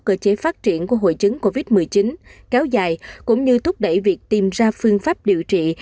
cơ chế phát triển của hội chứng covid một mươi chín kéo dài cũng như thúc đẩy việc tìm ra phương pháp điều trị